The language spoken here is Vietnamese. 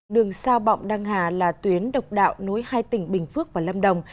đường sao bọng đăng hà là tuyến độc đạo nối hai tỉnh bình phước và lâm đồng